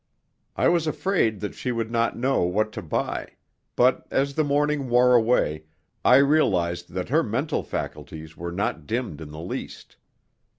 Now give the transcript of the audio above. I was afraid that she would not know what to buy; but, as the morning wore away, I realized that her mental faculties were not dimmed in the least.